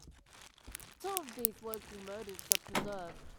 Two of these locomotives are preserved.